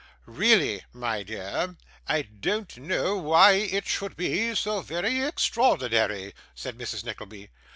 'Really, my dear, I don't know why it should be so very extraordinary,' said Mrs. Nickleby.